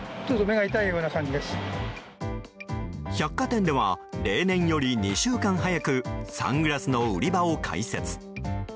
百貨店では例年より２週間早くサングラスの売り場を開設。